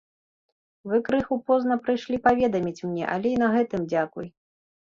Вы крыху позна прыйшлі паведаміць мне, але і на гэтым дзякуй.